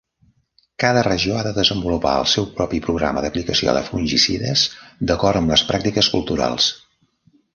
Cada regió ha de desenvolupar el seu propi programa d'aplicació de fungicides d'acord amb les pràctiques culturals.